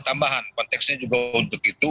tambahan konteksnya juga untuk itu